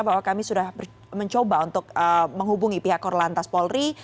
bahwa kami sudah mencoba untuk menghubungi pihak korlantas polri